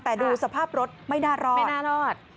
แต่ดูสภาพรถไม่น่ารอด